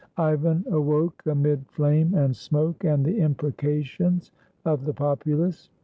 Ivan awoke amid flame and smoke and the impreca tions of the populace.